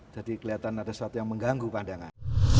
jadi kelihatan ada sesuatu yang mengganggu pandangan